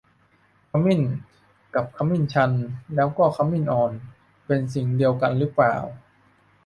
ขมิ้น กับขมิ้นชัน แล้วก็ขมิ้นอ่อน เป็นสิ่งเดียวกันหรือเปล่า